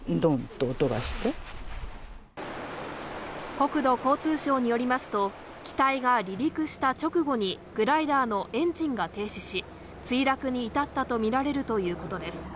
国土交通省によりますと、機体が離陸した直後に、グライダーのエンジンが停止し、墜落に至ったと見られるということです。